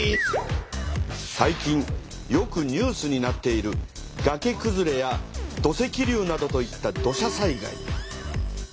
最近よくニュースになっているがけくずれや土石流などといった土砂災害。